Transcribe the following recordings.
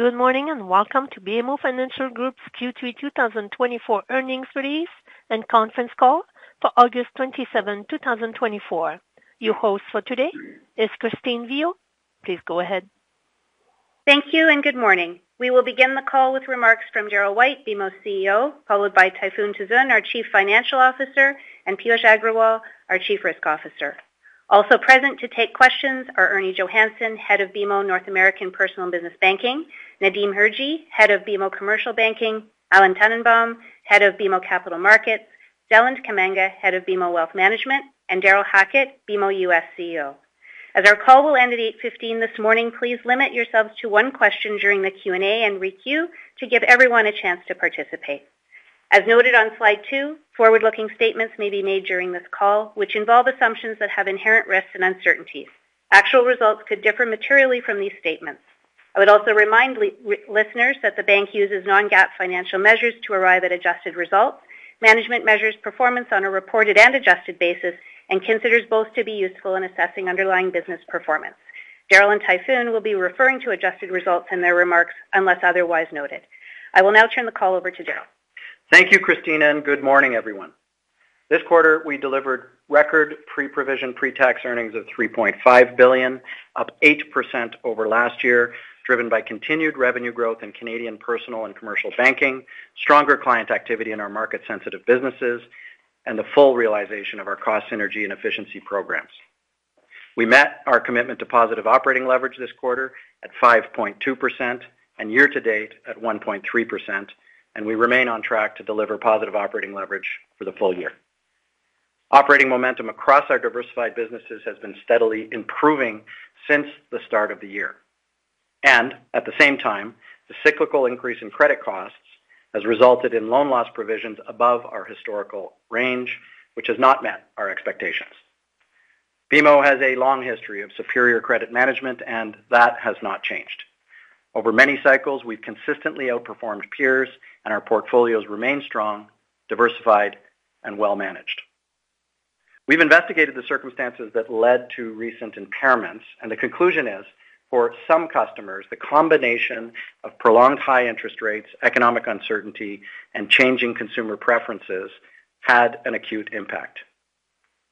Good morning, and welcome to BMO Financial Group's Q3 2024 Earnings Release and Conference Call for August 27, 2024. Your host for today is Christine Viau. Please go ahead. Thank you, and good morning. We will begin the call with remarks from Darryl White, BMO's CEO, followed by Tayfun Tuzun, our Chief Financial Officer, and Piyush Agrawal, our Chief Risk Officer. Also present to take questions are Ernie Johannson, Head of BMO North American Personal and Business Banking, Nadim Hirji, Head of BMO Commercial Banking, Alan Tannenbaum, Head of BMO Capital Markets, Deland Kamanga, Head of BMO Wealth Management, and Darrel Hackett, BMO U.S. CEO. As our call will end at 8:15 A.M. this morning, please limit yourselves to one question during the Q&A and requeue to give everyone a chance to participate. As noted on slide two, forward-looking statements may be made during this call, which involve assumptions that have inherent risks and uncertainties. Actual results could differ materially from these statements. I would also remind listeners that the bank uses non-GAAP financial measures to arrive at adjusted results. Management measures performance on a reported and adjusted basis and considers both to be useful in assessing underlying business performance. Darryl and Tayfun will be referring to adjusted results in their remarks, unless otherwise noted. I will now turn the call over to Darryl. Thank you, Christine, and good morning, everyone. This quarter, we delivered record pre-provision, pre-tax earnings of 3.5 billion, up 8% over last year, driven by continued revenue growth in Canadian personal and commercial banking, stronger client activity in our market-sensitive businesses, and the full realization of our cost, synergy, and efficiency programs. We met our commitment to positive operating leverage this quarter at 5.2% and year-to-date at 1.3%, and we remain on track to deliver positive operating leverage for the full year. Operating momentum across our diversified businesses has been steadily improving since the start of the year, and at the same time, the cyclical increase in credit costs has resulted in loan loss provisions above our historical range, which has not met our expectations. BMO has a long history of superior credit management, and that has not changed. Over many cycles, we've consistently outperformed peers, and our portfolios remain strong, diversified, and well managed. We've investigated the circumstances that led to recent impairments, and the conclusion is, for some customers, the combination of prolonged high interest rates, economic uncertainty, and changing consumer preferences had an acute impact.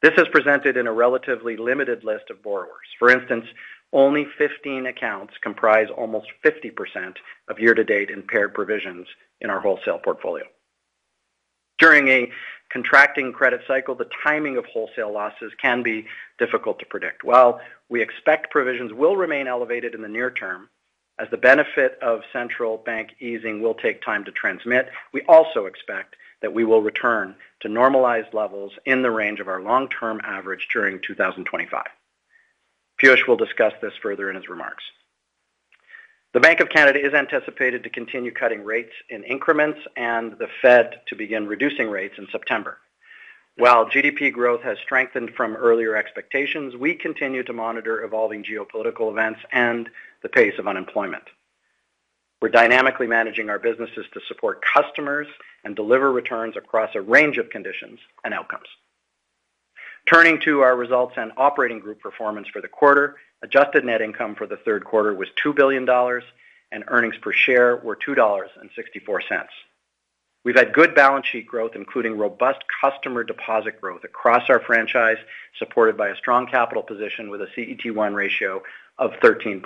This is presented in a relatively limited list of borrowers. For instance, only 15 accounts comprise almost 50% of year-to-date impaired provisions in our wholesale portfolio. During a contracting credit cycle, the timing of wholesale losses can be difficult to predict. While we expect provisions will remain elevated in the near term, as the benefit of central bank easing will take time to transmit, we also expect that we will return to normalized levels in the range of our long-term average during 2025. Piyush will discuss this further in his remarks. The Bank of Canada is anticipated to continue cutting rates in increments and the Fed to begin reducing rates in September. While GDP growth has strengthened from earlier expectations, we continue to monitor evolving geopolitical events and the pace of unemployment. We're dynamically managing our businesses to support customers and deliver returns across a range of conditions and outcomes. Turning to our results and operating group performance for the quarter, adjusted net income for the third quarter was 2 billion dollars, and earnings per share were 2.64 dollars. We've had good balance sheet growth, including robust customer deposit growth across our franchise, supported by a strong capital position with a CET1 ratio of 13%.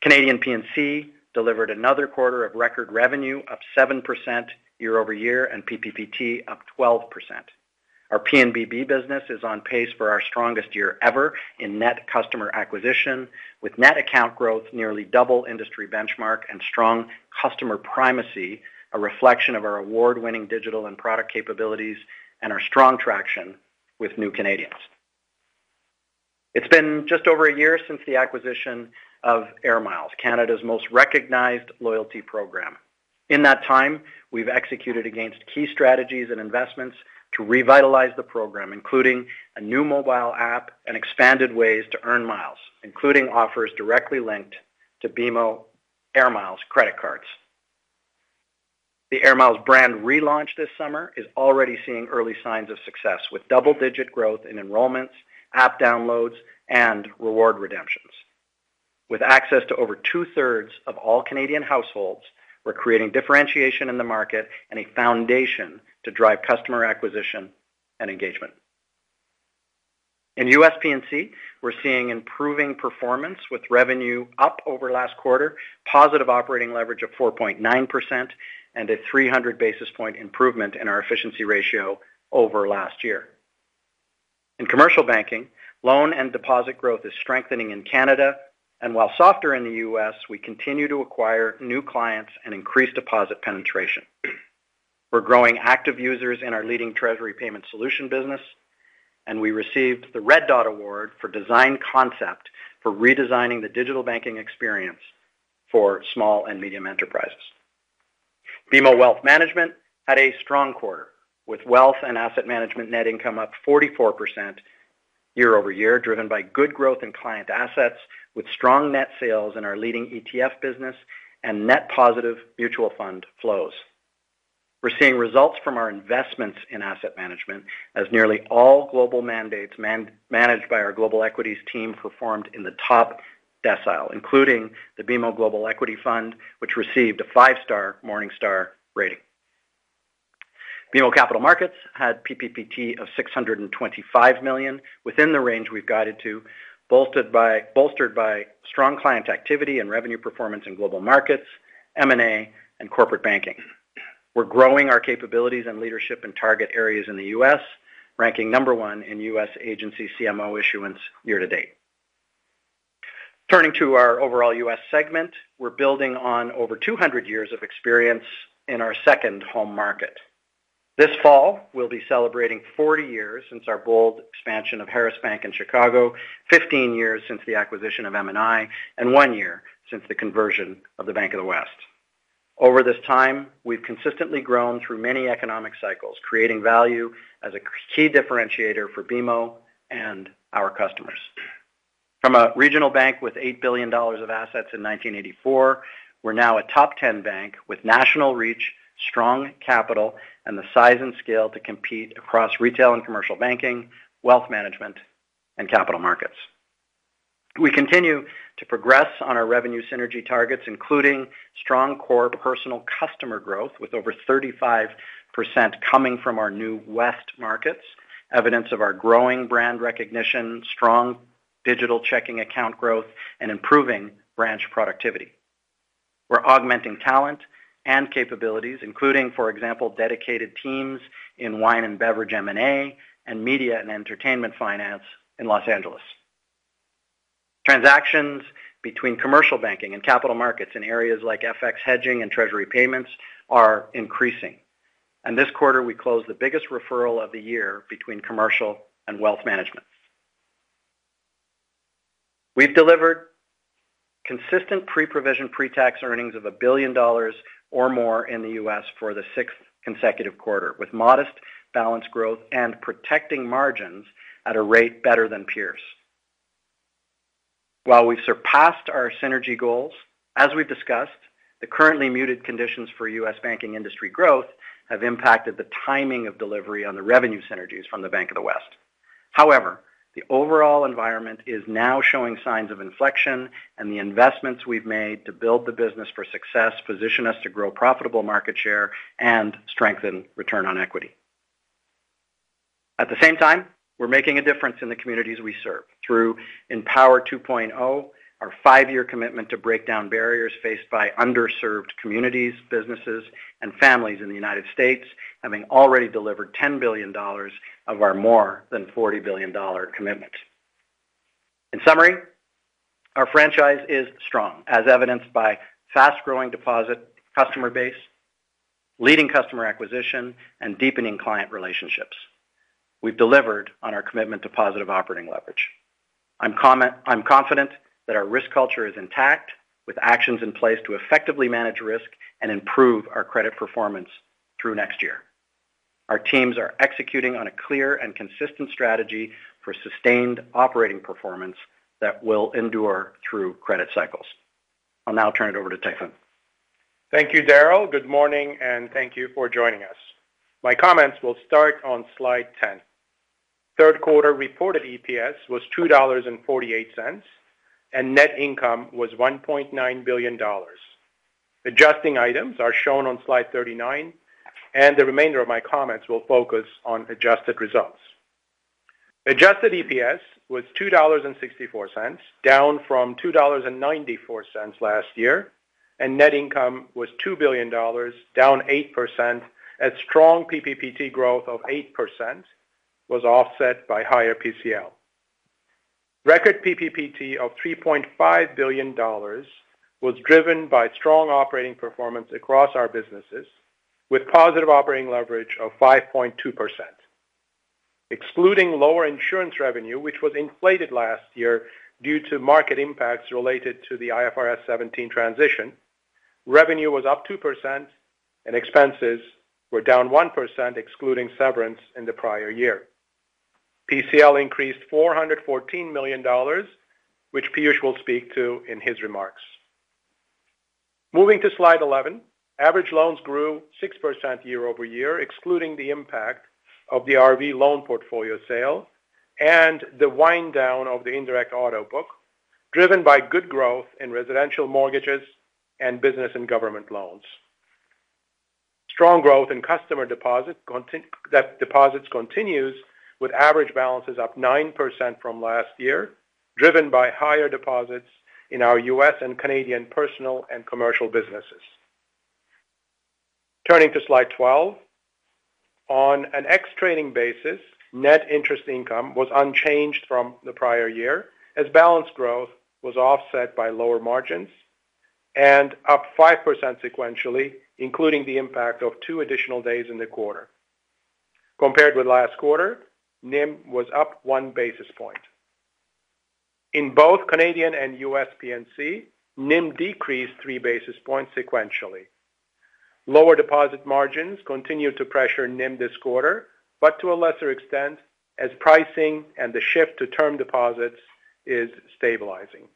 Canadian P&C delivered another quarter of record revenue, up 7% year-over-year, and PPPT up 12%. Our P&BB business is on pace for our strongest year ever in net customer acquisition, with net account growth nearly double industry benchmark and strong customer primacy, a reflection of our award-winning digital and product capabilities and our strong traction with new Canadians. It's been just over a year since the acquisition of Air Miles, Canada's most recognized loyalty program. In that time, we've executed against key strategies and investments to revitalize the program, including a new mobile app and expanded ways to earn miles, including offers directly linked to BMO Air Miles credit cards. The Air Miles brand relaunch this summer is already seeing early signs of success, with double-digit growth in enrollments, app downloads, and reward redemptions. With access to over two-thirds of all Canadian households, we're creating differentiation in the market and a foundation to drive customer acquisition and engagement. In U.S. P&C, we're seeing improving performance with revenue up over last quarter, positive operating leverage of 4.9%, and a 300 basis point improvement in our efficiency ratio over last year. In commercial banking, loan and deposit growth is strengthening in Canada, and while softer in the U.S., we continue to acquire new clients and increase deposit penetration. We're growing active users in our leading treasury payment solution business, and we received the Red Dot Award for design concept for redesigning the digital banking experience for small and medium enterprises. BMO Wealth Management had a strong quarter, with wealth and asset management net income up 44% year-over-year, driven by good growth in client assets, with strong net sales in our leading ETF business and net positive mutual fund flows. We're seeing results from our investments in asset management, as nearly all global mandates managed by our global equities team performed in the top decile, including the BMO Global Equity Fund, which received a five-star Morningstar rating. BMO Capital Markets had PPPT of 625 million, within the range we've guided to, bolstered by strong client activity and revenue performance in global markets, M&A, and corporate banking. We're growing our capabilities and leadership in target areas in the U.S., ranking number one in U.S. agency CMO issuance year-to-date. Turning to our overall U.S. segment, we're building on over 200 years of experience in our second home market. This fall, we'll be celebrating 40 years since our bold expansion of Harris Bank in Chicago, 15 years since the acquisition of M&I, and one year since the conversion of the Bank of the West. Over this time, we've consistently grown through many economic cycles, creating value as a key differentiator for BMO and our customers. From a regional bank with 8 billion dollars of assets in 1984, we're now a top ten bank with national reach, strong capital, and the size and scale to compete across retail and commercial banking, wealth management, and capital markets. We continue to progress on our revenue synergy targets, including strong core personal customer growth, with over 35% coming from our new West markets, evidence of our growing brand recognition, strong digital checking account growth, and improving branch productivity. We're augmenting talent and capabilities, including, for example, dedicated teams in wine and beverage, M&A, and media and entertainment finance in Los Angeles. Transactions between commercial banking and capital markets in areas like FX hedging and treasury payments are increasing. This quarter, we closed the biggest referral of the year between commercial and wealth management. We've delivered consistent pre-provision, pre-tax earnings of $1 billion or more in the U.S. for the sixth consecutive quarter, with modest balance growth and protecting margins at a rate better than peers. While we've surpassed our synergy goals, as we've discussed, the currently muted conditions for U.S. banking industry growth have impacted the timing of delivery on the revenue synergies from the Bank of the West. However, the overall environment is now showing signs of inflection, and the investments we've made to build the business for success position us to grow profitable market share and strengthen return on equity. At the same time, we're making a difference in the communities we serve through EMpower 2.0, our five-year commitment to break down barriers faced by underserved communities, businesses, and families in the United States, having already delivered $10 billion of our more than $40 billion commitment. In summary, our franchise is strong, as evidenced by fast-growing deposit, customer base, leading customer acquisition, and deepening client relationships. We've delivered on our commitment to positive operating leverage. I'm confident that our risk culture is intact, with actions in place to effectively manage risk and improve our credit performance through next year. Our teams are executing on a clear and consistent strategy for sustained operating performance that will endure through credit cycles. I'll now turn it over to Tayfun. Thank you, Darryl. Good morning, and thank you for joining us. My comments will start on slide 10. Third quarter reported EPS was 2.48 dollars, and net income was 1.9 billion dollars. Adjusting items are shown on slide 39, and the remainder of my comments will focus on adjusted results. Adjusted EPS was 2.64 dollars, down from 2.94 dollars last year, and net income was 2 billion dollars, down 8%, as strong PPPT growth of 8% was offset by higher PCL. Record PPPT of 3.5 billion dollars was driven by strong operating performance across our businesses, with positive operating leverage of 5.2%. Excluding lower insurance revenue, which was inflated last year due to market impacts related to the IFRS 17 transition, revenue was up 2% and expenses were down 1%, excluding severance in the prior year. PCL increased 414 million dollars, which Piyush will speak to in his remarks. Moving to slide 11. Average loans grew 6% year-over-year, excluding the impact of the RV loan portfolio sale and the wind down of the indirect auto book, driven by good growth in residential mortgages and business and government loans. Strong growth in customer deposits continues, with average balances up 9% from last year, driven by higher deposits in our U.S. and Canadian personal and commercial businesses. Turning to slide 12. On an ex-trading basis, net interest income was unchanged from the prior year, as balance growth was offset by lower margins and up 5% sequentially, including the impact of two additional days in the quarter. Compared with last quarter, NIM was up one basis point. In both Canadian and U.S. P&C, NIM decreased three basis points sequentially. Lower deposit margins continued to pressure NIM this quarter, but to a lesser extent, as pricing and the shift to term deposits is stabilizing.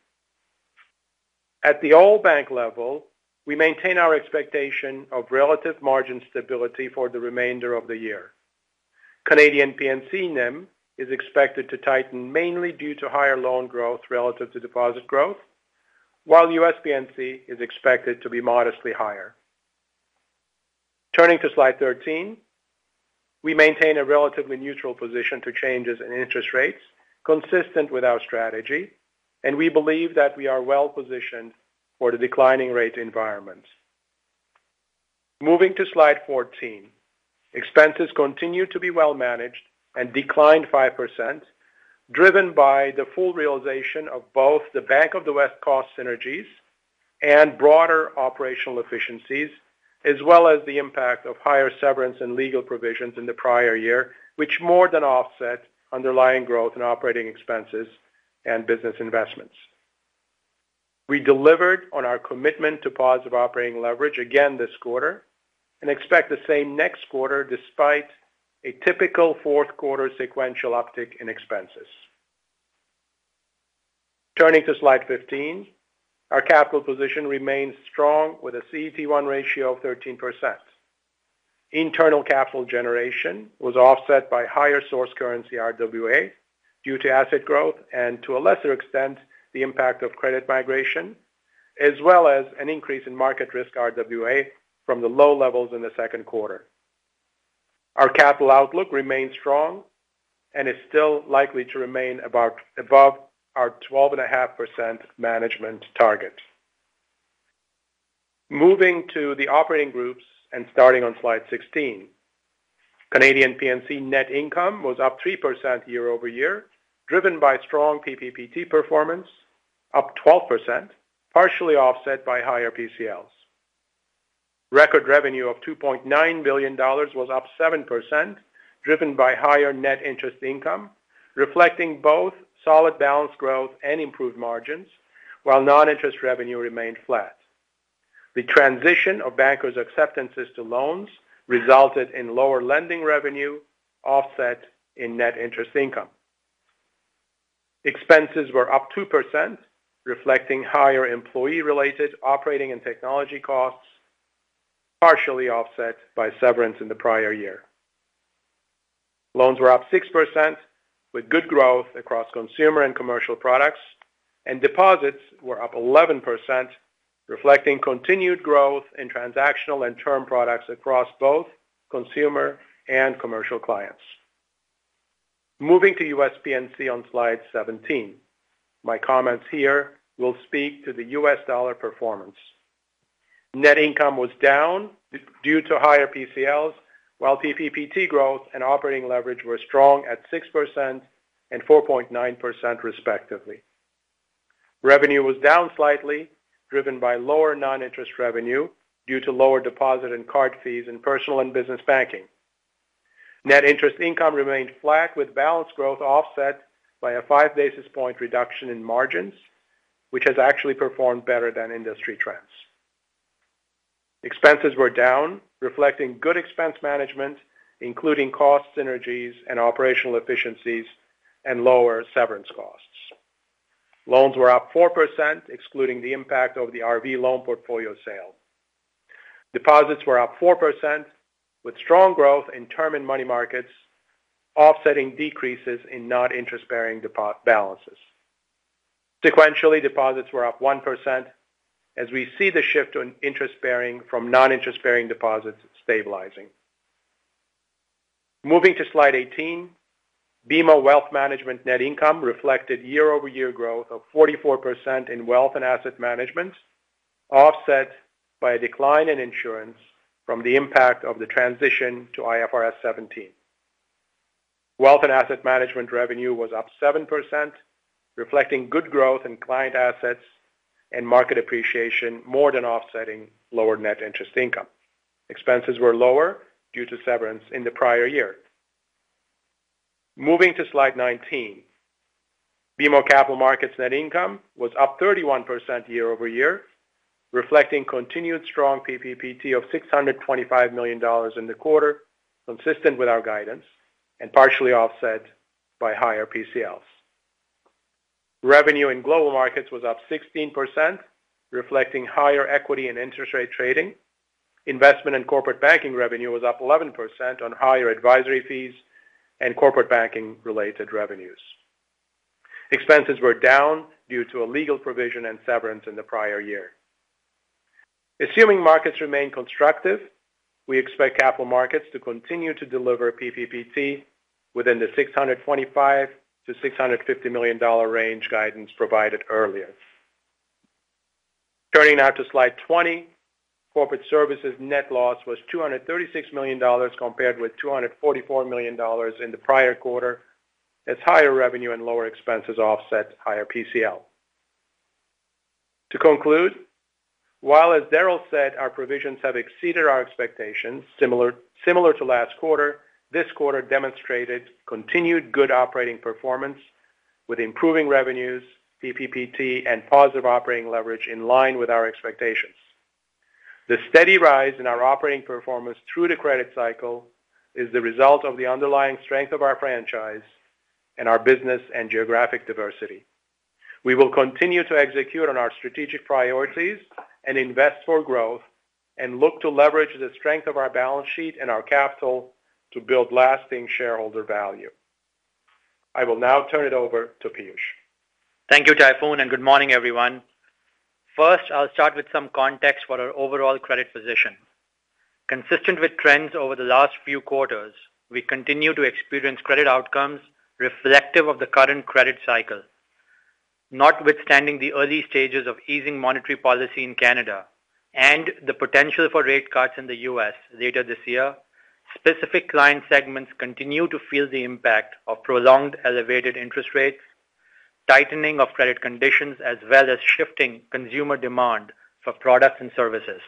At the all bank level, we maintain our expectation of relative margin stability for the remainder of the year. Canadian P&C NIM is expected to tighten, mainly due to higher loan growth relative to deposit growth, while U.S. P&C is expected to be modestly higher. Turning to slide 13, we maintain a relatively neutral position to changes in interest rates consistent with our strategy, and we believe that we are well-positioned for the declining rate environment. Moving to slide 14, expenses continue to be well managed and declined 5%, driven by the full realization of both the Bank of the West cost synergies and broader operational efficiencies, as well as the impact of higher severance and legal provisions in the prior year, which more than offset underlying growth in operating expenses and business investments. We delivered on our commitment to positive operating leverage again this quarter, and expect the same next quarter, despite a typical fourth quarter sequential uptick in expenses. Turning to slide 15, our capital position remains strong with a CET1 ratio of 13%. Internal capital generation was offset by higher source currency RWA due to asset growth and to a lesser extent, the impact of credit migration, as well as an increase in market risk RWA from the low levels in the second quarter. Our capital outlook remains strong and is still likely to remain about above our 12.5% management target. Moving to the operating groups and starting on slide 16. Canadian P&C net income was up 3% year-over-year, driven by strong PPPT performance, up 12%, partially offset by higher PCLs. Record revenue of 2.9 billion dollars was up 7%, driven by higher net interest income, reflecting both solid balance growth and improved margins, while non-interest revenue remained flat. The transition of bankers acceptances to loans resulted in lower lending revenue, offset in net interest income. Expenses were up 2%, reflecting higher employee-related operating and technology costs, partially offset by severance in the prior year. Loans were up 6%, with good growth across consumer and commercial products, and deposits were up 11%, reflecting continued growth in transactional and term products across both consumer and commercial clients. Moving to U.S. P&C on slide 17. My comments here will speak to the U.S. dollar performance. Net income was down due to higher PCLs, while PPPT growth and operating leverage were strong at 6% and 4.9%, respectively. Revenue was down slightly, driven by lower non-interest revenue due to lower deposit and card fees in personal and business banking. Net interest income remained flat, with balance growth offset by a five basis point reduction in margins, which has actually performed better than industry trends. Expenses were down, reflecting good expense management, including cost synergies and operational efficiencies and lower severance costs. Loans were up 4%, excluding the impact of the RV loan portfolio sale. Deposits were up 4%, with strong growth in term and money markets, offsetting decreases in non-interest-bearing deposit balances. Sequentially, deposits were up 1%, as we see the shift to interest-bearing from non-interest-bearing deposits stabilizing. Moving to slide 18, BMO Wealth Management net income reflected year-over-year growth of 44% in wealth and asset management, offset by a decline in insurance from the impact of the transition to IFRS 17. Wealth and asset management revenue was up 7%, reflecting good growth in client assets and market appreciation, more than offsetting lower net interest income. Expenses were lower due to severance in the prior year. Moving to slide 19, BMO Capital Markets net income was up 31% year-over-year, reflecting continued strong PPPT of 625 million dollars in the quarter, consistent with our guidance and partially offset by higher PCLs. Revenue in global markets was up 16%, reflecting higher equity and interest rate trading. Investment and corporate banking revenue was up 11% on higher advisory fees and corporate banking-related revenues. Expenses were down due to a legal provision and severance in the prior year. Assuming markets remain constructive, we expect capital markets to continue to deliver PPPT within the 625-650 million dollar range guidance provided earlier. Turning now to slide 20, corporate services net loss was 236 million dollars, compared with 244 million dollars in the prior quarter, as higher revenue and lower expenses offset higher PCL. To conclude, while, as Darryl said, our provisions have exceeded our expectations, similar to last quarter, this quarter demonstrated continued good operating performance with improving revenues, PPPT and positive operating leverage in line with our expectations. The steady rise in our operating performance through the credit cycle is the result of the underlying strength of our franchise and our business and geographic diversity. We will continue to execute on our strategic priorities and invest for growth and look to leverage the strength of our balance sheet and our capital to build lasting shareholder value. I will now turn it over to Piyush. Thank you, Tayfun, and good morning, everyone. First, I'll start with some context for our overall credit position. Consistent with trends over the last few quarters, we continue to experience credit outcomes reflective of the current credit cycle. Notwithstanding the early stages of easing monetary policy in Canada and the potential for rate cuts in the U.S. later this year, specific client segments continue to feel the impact of prolonged elevated interest rates, tightening of credit conditions, as well as shifting consumer demand for products and services.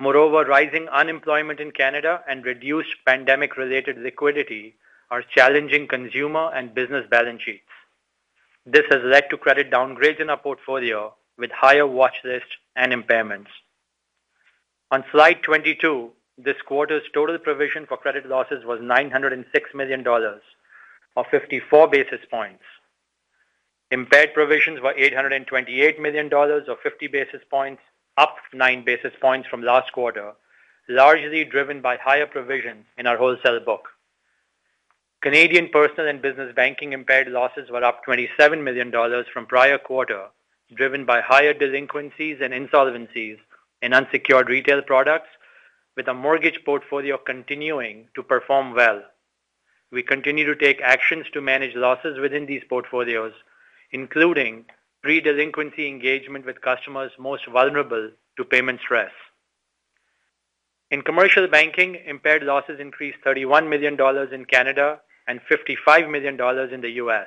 Moreover, rising unemployment in Canada and reduced pandemic-related liquidity are challenging consumer and business balance sheets. This has led to credit downgrades in our portfolio, with higher watch lists and impairments. On slide 22, this quarter's total provision for credit losses was 906 million dollars, or 54 basis points. Impaired provisions were 828 million dollars or 50 basis points, up 9 basis points from last quarter, largely driven by higher provisions in our wholesale book. Canadian personal and business banking impaired losses were up 27 million dollars from prior quarter, driven by higher delinquencies and insolvencies in unsecured retail products, with a mortgage portfolio continuing to perform well. We continue to take actions to manage losses within these portfolios, including pre-delinquency engagement with customers most vulnerable to payment stress. In commercial banking, impaired losses increased 31 million dollars in Canada and 55 million dollars in the U.S.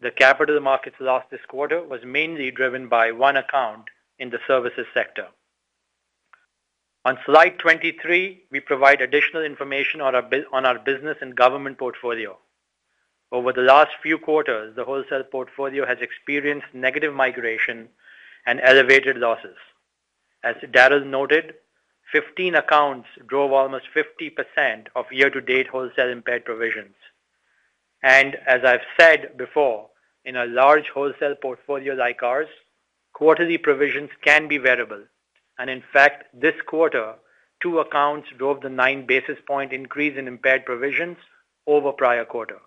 The capital markets loss this quarter was mainly driven by one account in the services sector. On slide 23, we provide additional information on our business and government portfolio. Over the last few quarters, the wholesale portfolio has experienced negative migration and elevated losses. As Darryl noted, fifteen accounts drove almost 50% of year-to-date wholesale impaired provisions, and as I've said before, in a large wholesale portfolio like ours, quarterly provisions can be variable, and in fact, this quarter, two accounts drove the nine basis points increase in impaired provisions over prior quarter.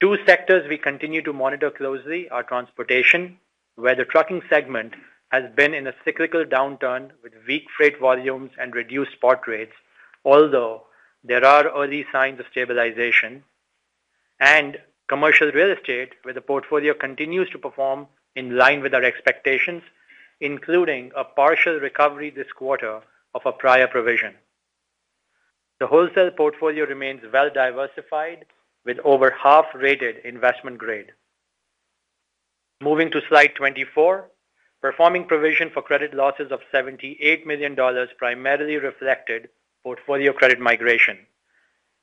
Two sectors we continue to monitor closely are transportation, where the trucking segment has been in a cyclical downturn with weak freight volumes and reduced spot rates although there are early signs of stabilization, and commercial real estate, where the portfolio continues to perform in line with our expectations, including a partial recovery this quarter of a prior provision. The wholesale portfolio remains well-diversified, with over half rated investment grade. Moving to slide 24, performing provision for credit losses of 78 million dollars primarily reflected portfolio credit migration.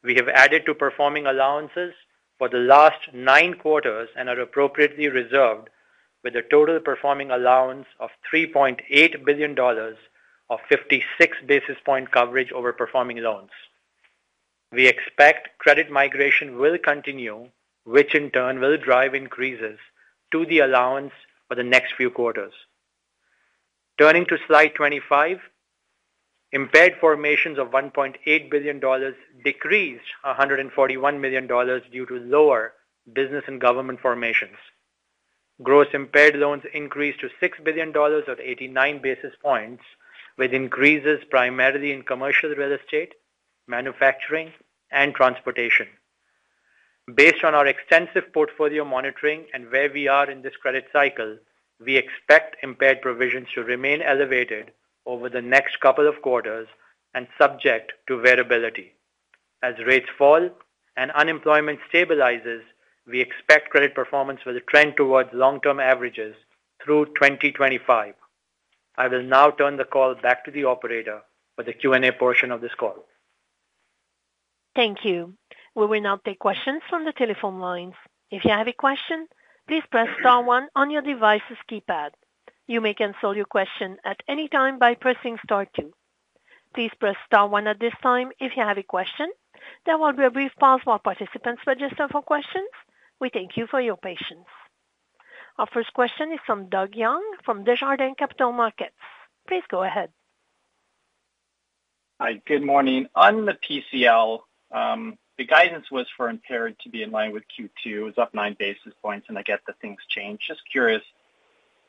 We have added to performing allowances for the last nine quarters and are appropriately reserved with a total performing allowance of 3.8 billion dollars of 56 basis point coverage over performing loans. We expect credit migration will continue, which in turn will drive increases to the allowance for the next few quarters. Turning to slide 25, impaired formations of 1.8 billion dollars decreased 141 million dollars due to lower business and government formations. Gross impaired loans increased to 6 billion dollars, or 89 basis points, with increases primarily in commercial real estate, manufacturing, and transportation. Based on our extensive portfolio monitoring and where we are in this credit cycle, we expect impaired provisions to remain elevated over the next couple of quarters and subject to variability. As rates fall and unemployment stabilizes, we expect credit performance will trend towards long-term averages through 2025. I will now turn the call back to the operator for the Q&A portion of this call. Thank you. We will now take questions from the telephone lines. If you have a question, please press star one on your device's keypad. You may cancel your question at any time by pressing star two. Please press star one at this time if you have a question. There will be a brief pause while participants register for questions. We thank you for your patience. Our first question is from Doug Young, from Desjardins Capital Markets. Please go ahead. Hi, good morning. On the PCL, the guidance was for impaired to be in line with Q2. It's up nine basis points, and I get that things change. Just curious,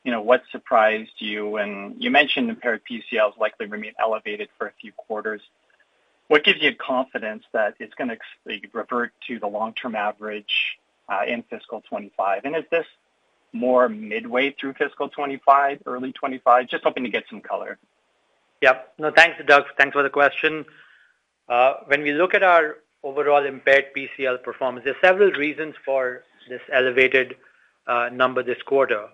you know, what surprised you? And you mentioned impaired PCLs likely remain elevated for a few quarters. What gives you confidence that it's gonna revert to the long-term average in fiscal 25? And is this more midway through fiscal 25, early 25? Just hoping to get some color. Yep. No, thanks, Doug. Thanks for the question. When we look at our overall impaired PCL performance, there are several reasons for this elevated number this quarter.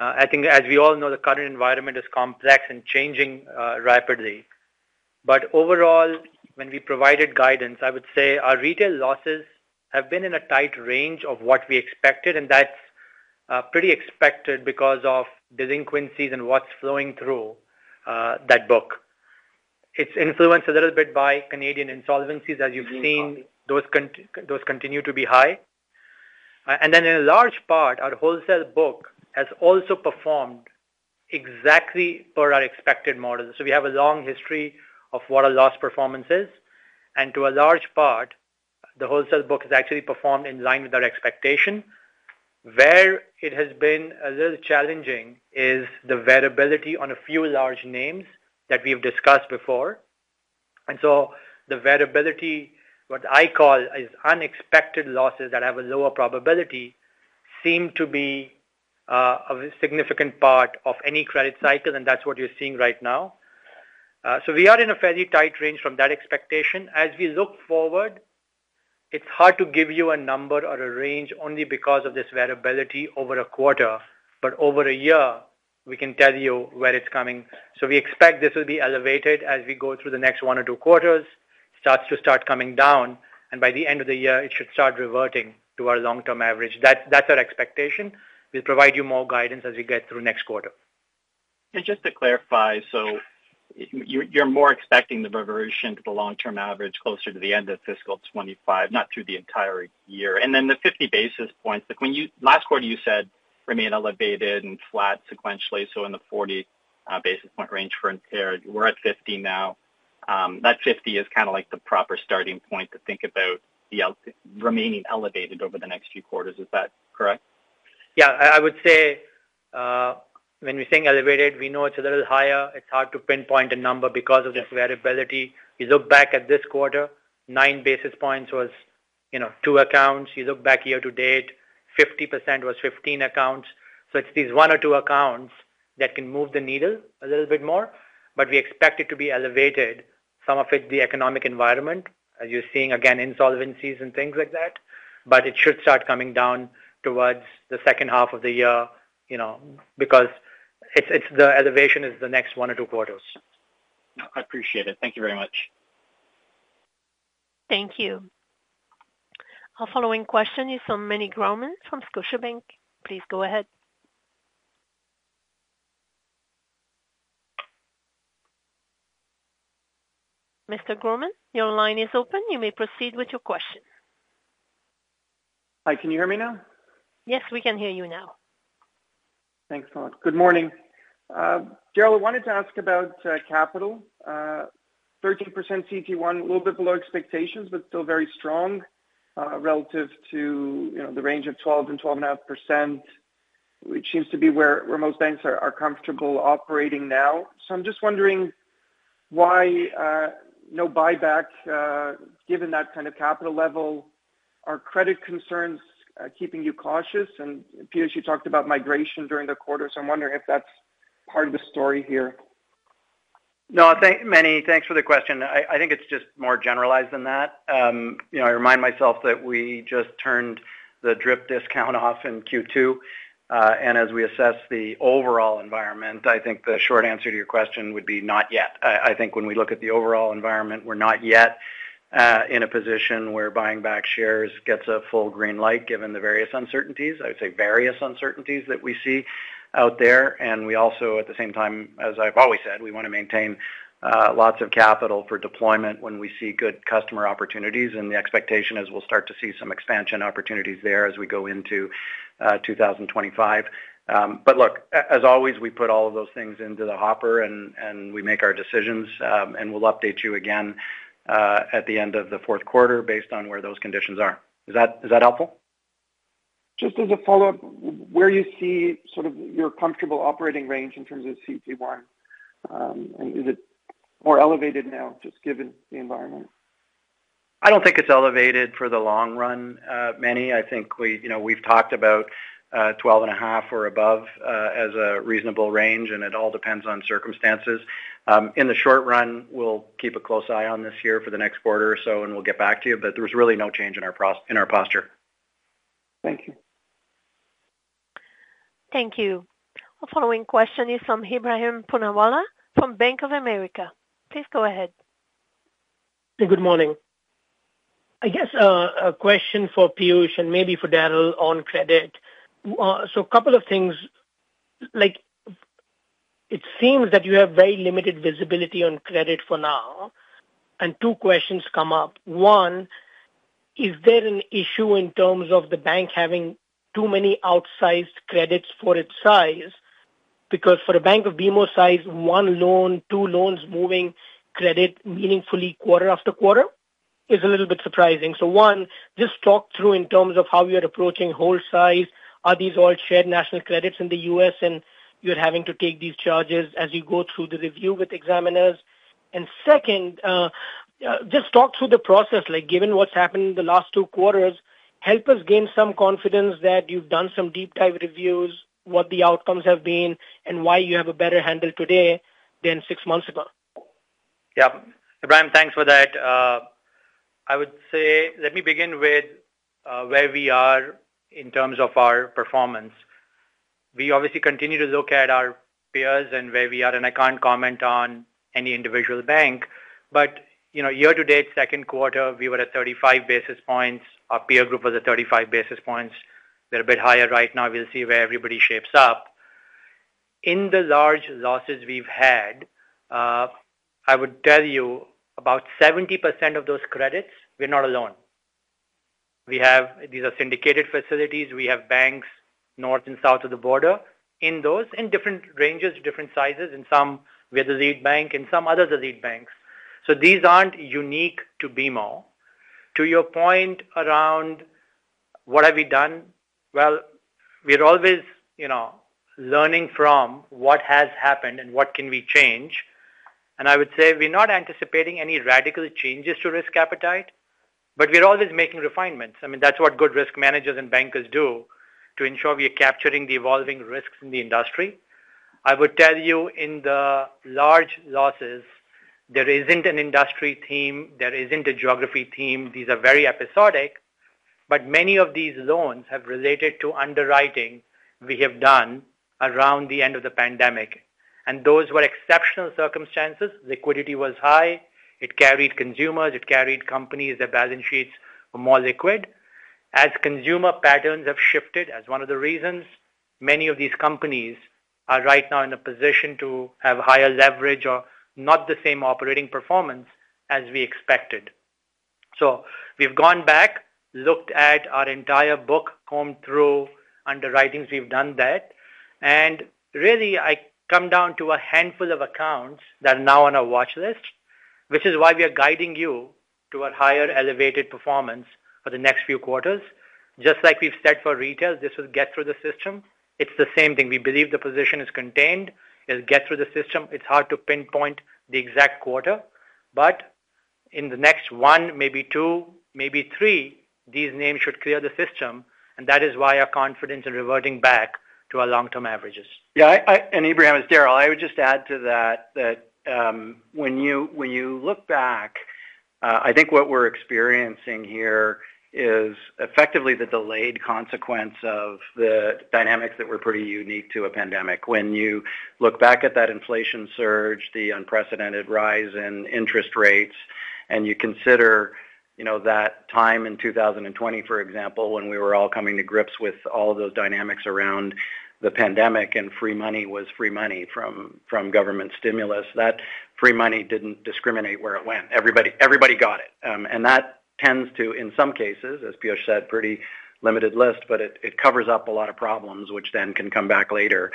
I think as we all know, the current environment is complex and changing rapidly, but overall, when we provided guidance, I would say our retail losses have been in a tight range of what we expected, and that's pretty expected because of delinquencies and what's flowing through that book. It's influenced a little bit by Canadian insolvencies. As you've seen, those continue to be high. And then in a large part, our wholesale book has also performed exactly per our expected model. So we have a long history of what a loss performance is, and to a large part, the wholesale book has actually performed in line with our expectation. Where it has been a little challenging is the variability on a few large names that we've discussed before, and so the variability, what I call is unexpected losses that have a lower probability, seem to be a significant part of any credit cycle, and that's what you're seeing right now, so we are in a fairly tight range from that expectation. As we look forward, it's hard to give you a number or a range only because of this variability over a quarter, but over a year we can tell you where it's coming, so we expect this will be elevated as we go through the next one or two quarters, starts to come down, and by the end of the year, it should start reverting to our long-term average. That's our expectation. We'll provide you more guidance as we get through next quarter. Just to clarify, so you, you're more expecting the reversion to the long-term average closer to the end of fiscal 2025, not through the entire year. Then the 50 basis points, like when you last quarter, you said remain elevated and flat sequentially, so in the 40 basis point range for impaired. We're at 50 now. That 50 is kind of like the proper starting point to think about the remaining elevated over the next few quarters. Is that correct? Yeah, I would say when we think elevated, we know it's a little higher. It's hard to pinpoint a number because of this variability. You look back at this quarter, nine basis points was, you know, two accounts. You look back year-to-date, 50% was 15 accounts. So it's these one or two accounts that can move the needle a little bit more, but we expect it to be elevated, some of it, the economic environment, as you're seeing, again, insolvencies and things like that. But it should start coming down towards the second half of the year, you know, because it's the elevation is the next one or two quarters. I appreciate it. Thank you very much. Thank you. Our following question is from Meny Grauman from Scotiabank. Please go ahead. Mr. Grauman, your line is open. You may proceed with your question. Hi, can you hear me now? Yes, we can hear you now. Thanks a lot. Good morning. Darryl, I wanted to ask about capital. 13% CET1, a little bit below expectations, but still very strong relative to, you know, the range of 12%-12.5%, which seems to be where most banks are comfortable operating now. I'm just wondering why no buyback given that kind of capital level. Are credit concerns keeping you cautious? And Piyush, you talked about migration during the quarter, so I'm just wondering if that's part of the story here. No, thanks, Meny, thanks for the question. I think it's just more generalized than that. You know, I remind myself that we just turned the DRIP discount off in Q2. And as we assess the overall environment, I think the short answer to your question would be not yet. I think when we look at the overall environment, we're not yet in a position where buying back shares gets a full green light, given the various uncertainties. I would say various uncertainties that we see out there. And we also, at the same time, as I've always said, we want to maintain lots of capital for deployment when we see good customer opportunities, and the expectation is we'll start to see some expansion opportunities there as we go into 2025. But look, as always, we put all of those things into the hopper and we make our decisions, and we'll update you again at the end of the fourth quarter based on where those conditions are. Is that, is that helpful? Just as a follow-up, where you see sort of your comfortable operating range in terms of CET1? And is it more elevated now, just given the environment? I don't think it's elevated for the long run, Meny. I think we, you know, we've talked about 12 and a half or above as a reasonable range, and it all depends on circumstances. In the short run, we'll keep a close eye on this year for the next quarter or so, and we'll get back to you. But there's really no change in our posture. Thank you. Thank you. Our following question is from Ebrahim Poonawala from Bank of America. Please go ahead. Good morning. I guess, a question for Piyush and maybe for Darryl on credit. So a couple of things. Like, it seems that you have very limited visibility on credit for now, and two questions come up. One, is there an issue in terms of the bank having too many outsized credits for its size? Because for a bank of BMO's size, one loan, two loans, moving credit meaningfully quarter after quarter is a little bit surprising. So one, just talk through in terms of how you're approaching loan size. Are these all shared national credits in the U.S., and you're having to take these charges as you go through the review with examiners? And second, just talk through the process, like, given what's happened in the last two quarters, help us gain some confidence that you've done some deep dive reviews, what the outcomes have been, and why you have a better handle today than six months ago. Yeah. Ebrahim, thanks for that. I would say, let me begin with, where we are in terms of our performance. We obviously continue to look at our peers and where we are, and I can't comment on any individual bank. But, you know, year-to-date, second quarter, we were at 35 basis points. Our peer group was at 35 basis points. We're a bit higher right now. We'll see where everybody shapes up. In the large losses we've had, I would tell you about 70% of those credits, we're not alone. We have. These are syndicated facilities. We have banks north and south of the border in those, in different ranges, different sizes. In some, we're the lead bank, in some others, the lead banks. So these aren't unique to BMO. To your point around what have we done? We're always, you know, learning from what has happened and what can we change. I would say we're not anticipating any radical changes to risk appetite, but we're always making refinements. I mean, that's what good risk managers and bankers do to ensure we are capturing the evolving risks in the industry. I would tell you in the large losses, there isn't an industry theme, there isn't a geography theme. These are very episodic, but many of these loans have related to underwriting we have done around the end of the pandemic, and those were exceptional circumstances. Liquidity was high. It carried consumers, it carried companies. Their balance sheets were more liquid. As consumer patterns have shifted, as one of the reasons many of these companies are right now in a position to have higher leverage or not the same operating performance as we expected. So we've gone back, looked at our entire book, combed through underwritings, we've done that, and really, I come down to a handful of accounts that are now on our watch list, which is why we are guiding you to a higher elevated performance for the next few quarters. Just like we've said, for retail, this will get through the system. It's the same thing. We believe the position is contained. It'll get through the system. It's hard to pinpoint the exact quarter, but in the next one, maybe two, maybe three, these names should clear the system, and that is why our confidence in reverting back to our long-term averages. Yeah, and Ebrahim, it's Darryl. I would just add to that, when you look back, I think what we're experiencing here is effectively the delayed consequence of the dynamics that were pretty unique to a pandemic. When you look back at that inflation surge, the unprecedented rise in interest rates, and you consider, you know, that time in 2020, for example, when we were all coming to grips with all of those dynamics around the pandemic, and free money was free money from government stimulus. That free money didn't discriminate where it went. Everybody got it. And that tends to, in some cases, as Piyush said, pretty limited list, but it covers up a lot of problems which then can come back later.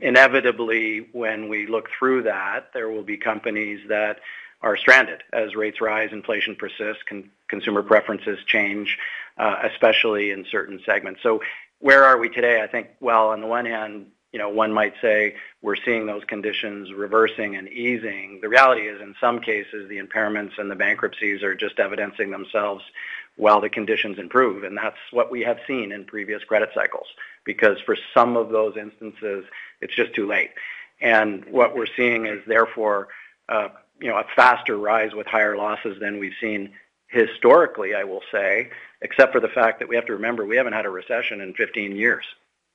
Inevitably, when we look through that, there will be companies that are stranded. As rates rise, inflation persists, consumer preferences change, especially in certain segments. Where are we today? I think, well, on the one hand, you know, one might say we're seeing those conditions reversing and easing. The reality is, in some cases, the impairments and the bankruptcies are just evidencing themselves while the conditions improve, and that's what we have seen in previous credit cycles, because for some of those instances, it's just too late, and what we're seeing is therefore, you know, a faster rise with higher losses than we've seen historically, I will say, except for the fact that we have to remember, we haven't had a recession in 15 years,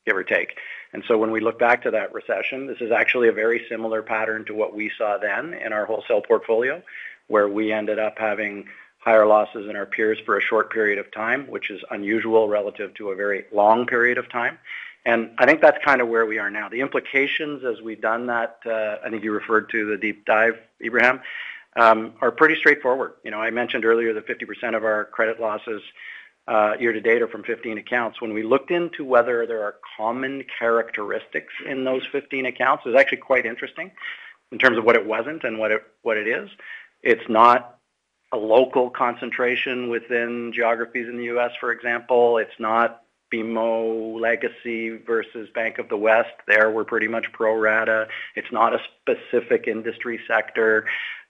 give or take. And so when we look back to that recession, this is actually a very similar pattern to what we saw then in our wholesale portfolio, where we ended up having higher losses than our peers for a short period of time, which is unusual relative to a very long period of time. And I think that's kind of where we are now. The implications, as we've done that, I think you referred to the deep dive, Ebrahim, are pretty straightforward. You know, I mentioned earlier that 50% of our credit losses, year-to-date, are from 15 accounts. When we looked into whether there are common characteristics in those 15 accounts, it was actually quite interesting in terms of what it wasn't and what it is. It's not a local concentration within geographies in the U.S., for example. It's not BMO legacy versus Bank of the West. There we're pretty much pro rata. It's not a specific industry sector.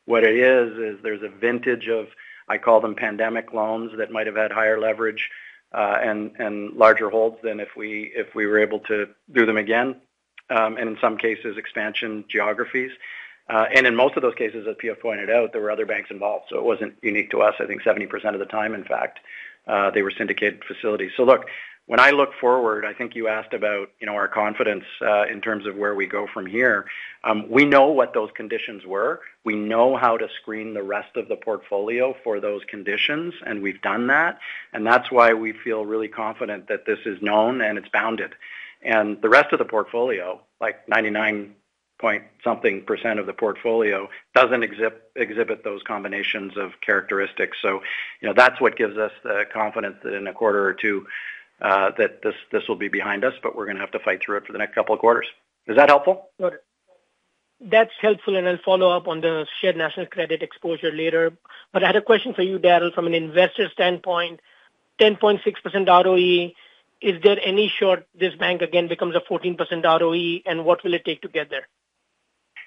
What it is, is there's a vintage of, I call them pandemic loans, that might have had higher leverage, and larger holds than if we, if we were able to do them again, and in some cases, expansion geographies. And in most of those cases, as Piyush pointed out, there were other banks involved, so it wasn't unique to us. I think 70% of the time, in fact, they were syndicated facilities. So look, when I look forward, I think you asked about, you know, our confidence, in terms of where we go from here. We know what those conditions were. We know how to screen the rest of the portfolio for those conditions, and we've done that, and that's why we feel really confident that this is known and it's bounded. And the rest of the portfolio, like 99.something% of the portfolio, doesn't exhibit those combinations of characteristics. So you know, that's what gives us the confidence that in a quarter or two, that this, this will be behind us, but we're going to have to fight through it for the next couple of quarters. Is that helpful? That's helpful, and I'll follow up on the shared national credit exposure later. But I had a question for you, Darryl. From an investor standpoint, 10.6% ROE, is there any shot this bank again becomes a 14% ROE, and what will it take to get there?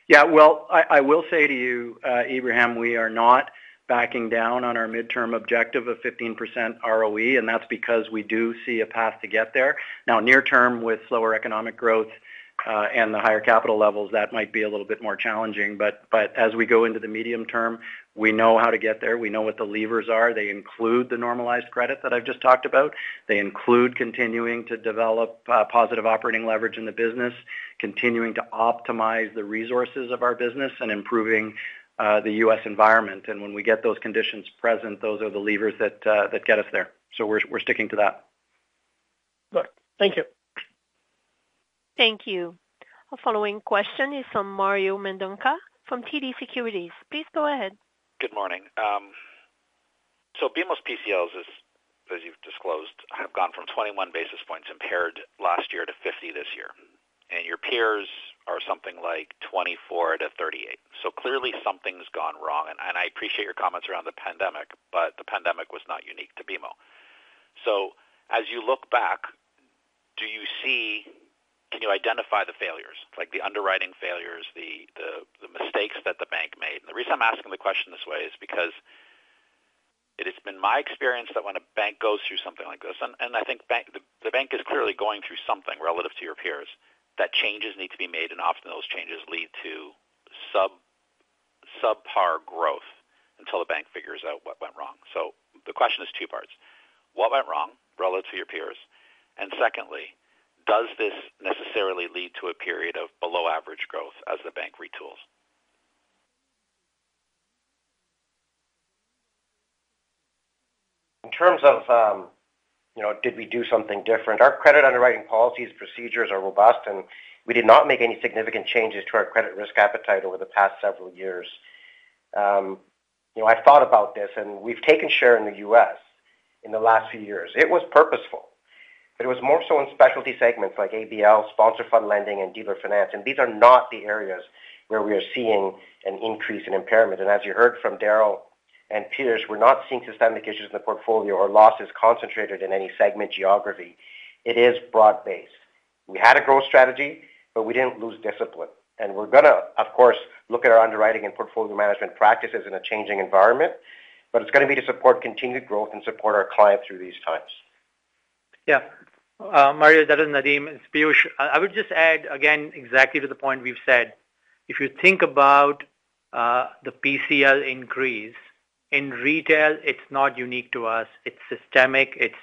Yeah. Well, I will say to you, Ebrahim, we are not backing down on our midterm objective of 15% ROE, and that's because we do see a path to get there. Now, near term, with slower economic growth and the higher capital levels, that might be a little bit more challenging. But as we go into the medium term, we know how to get there. We know what the levers are. They include the normalized credit that I've just talked about. They include continuing to develop positive operating leverage in the business, continuing to optimize the resources of our business, and improving the U.S. environment. And when we get those conditions present, those are the levers that get us there. So we're sticking to that. Good. Thank you. Thank you. Our following question is from Mario Mendonca from TD Securities. Please go ahead. Good morning. So BMO's PCLs, as you've disclosed, have gone from 21 basis points impaired last year to 50 this year, and your peers are something like 24-38. So clearly, something's gone wrong, and I appreciate your comments around the pandemic, but the pandemic was not unique to BMO. So as you look back, can you identify the failures, like the underwriting failures, the mistakes that the bank made? The reason I'm asking the question this way is because it has been my experience that when a bank goes through something like this, and I think the bank is clearly going through something relative to your peers, that changes need to be made, and often those changes lead to subpar growth until the bank figures out what went wrong. So the question is two parts: What went wrong relative to your peers? And secondly, does this necessarily lead to a period of below-average growth as the bank retools? In terms of, you know, did we do something different? Our credit underwriting policies, procedures are robust, and we did not make any significant changes to our credit risk appetite over the past several years. You know, I've thought about this, and we've taken share in the U.S. in the last few years. It was purposeful, but it was more so in specialty segments like ABL, sponsor fund lending, and dealer finance, and these are not the areas where we are seeing an increase in impairment. As you heard from Darryl and Piyush, we're not seeing systemic issues in the portfolio or losses concentrated in any segment geography. It is broad-based. We had a growth strategy, but we didn't lose discipline, and we're going to, of course, look at our underwriting and portfolio management practices in a changing environment, but it's going to be to support continued growth and support our clients through these times. Yeah. Mario, that is Nadim, it's Piyush. I would just add, again, exactly to the point we've said, if you think about the PCL increase in retail, it's not unique to us. It's systemic. It's,